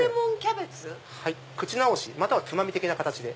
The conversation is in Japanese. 口直しまたはつまみ的な形で。